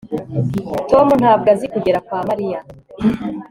tom ntabwo azi kugera kwa mariya